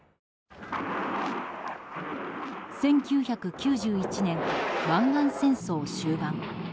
１９９１年、湾岸戦争終盤。